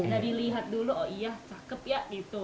dari lihat dulu oh iya cakep ya gitu